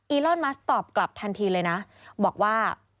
อลอนมัสตอบกลับทันทีเลยนะบอกว่า